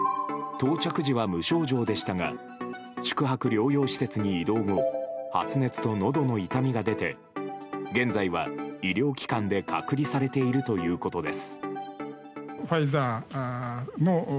到着時は無症状でしたが宿泊療養施設に移動後発熱と、のどの痛みが出て現在は医療機関で隔離されているということです。